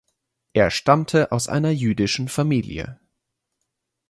Er stammte aus einer jüdischen Familie.